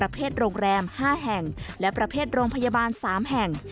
เป็นโรงพยาบาล๓แห่ง